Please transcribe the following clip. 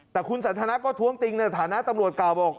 แต่คุณสันทนาก็ท้วงติงในฐานะตำรวจกล่าวบอก